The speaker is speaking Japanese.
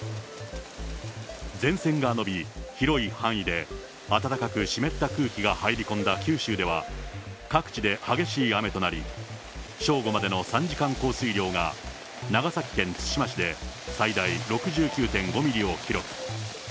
前線が延び、広い範囲で暖かく湿った空気が入り込んだ九州では、各地で激しい雨となり、正午までの３時間降水量が、長崎県対馬市で最大６９．５ミリを記録。